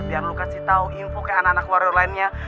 biar lo kasih tahu info ke anak anak wario lainnya